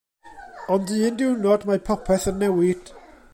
Ond un diwrnod mae popeth yn newid.